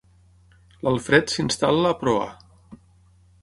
L'Alfred s'instal·la a proa.